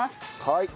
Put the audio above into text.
はい。